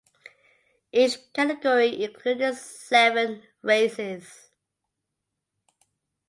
Each category included seven races.